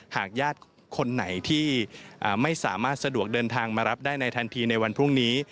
หากญาติคนไหนที่ไม่สามารถสะดวกเดินทางมารับได้ในทันทีในวันพรุ่งนี้